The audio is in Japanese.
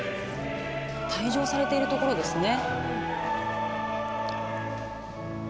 退場されているところですね。